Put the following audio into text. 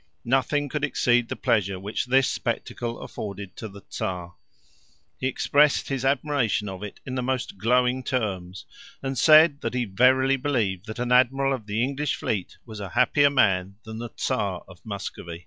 Nothing could exceed the pleasure which this spectacle afforded to the Czar. He expressed his admiration of it in the most glowing terms, and said that he verily believed that an admiral of the English fleet was a happier man than the Czar of Muscovy.